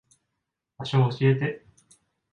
場所教えて。